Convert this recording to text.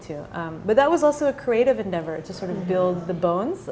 tapi itu juga adalah perjuangan kreatif untuk membangun